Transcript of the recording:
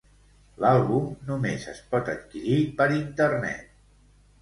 L'àlbum només es pot adquirir per Internet.